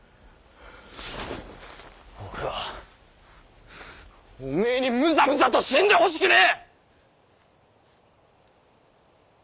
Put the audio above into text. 俺はおめえにむざむざと死んでほしくねぇ！